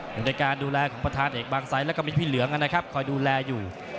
อยู่ในการดูแลของประธานเอกบางไซดแล้วก็มีพี่เหลืองนะครับคอยดูแลอยู่